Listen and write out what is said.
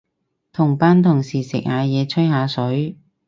同班同事食下嘢，吹下水